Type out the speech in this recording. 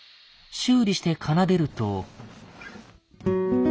修理して奏でると。